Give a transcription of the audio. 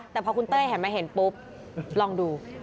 แต่พอคุณเต้ยหันมาเห็นปุ๊บลองดู